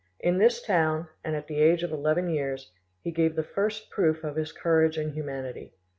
In this town, and at the age of eleven years, he gave the first proof of his courage and humanity.